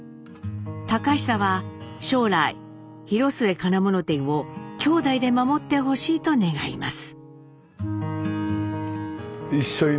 隆久は将来広末金物店を兄弟で守ってほしいと願います。